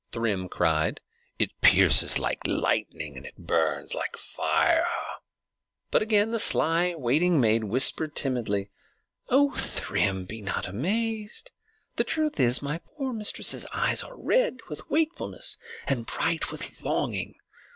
Thrym cried. "It pierces like lightning and burns like fire." But again the sly waiting maid whispered timidly, "Oh, Thrym, be not amazed! The truth is, my poor mistress's eyes are red with wakefulness and bright with longing.